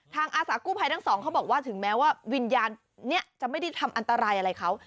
อาสากู้ภัยทั้งสองเขาบอกว่าถึงแม้ว่าวิญญาณนี้จะไม่ได้ทำอันตรายอะไรเขา